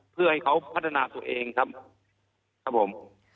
เพื่อให้เขาพัฒนาตัวเองครับครับผม